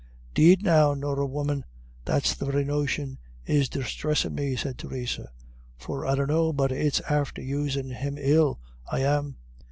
"'Deed, now, Norah woman, that's the very notion is disthressin' me," said Theresa, "for I dunno but it's after usin' him ill, I am.